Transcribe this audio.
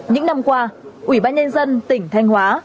những năm qua ủy ban nhân dân tỉnh thanh hóa